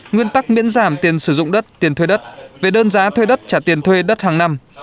nguyên tắc miễn giảm tiền sử dụng đất tiền thuê đất về đơn giá thuê đất trả tiền thuê đất hàng năm